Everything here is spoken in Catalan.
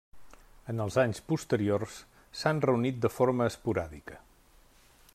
En els anys posteriors s'han reunit de forma esporàdica.